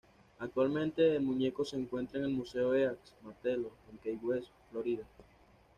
Actualmente, el muñeco se encuentra en el Museo East Martello en Key West, Florida.